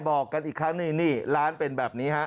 บอกกันอีกครั้งหนึ่งนี่ร้านเป็นแบบนี้ฮะ